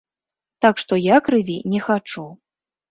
Так што я крыві не хачу.